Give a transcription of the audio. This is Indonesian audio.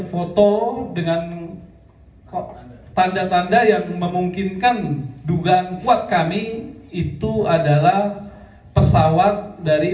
foto dengan tanda tanda yang memungkinkan dugaan kuat kami itu adalah pesawat dari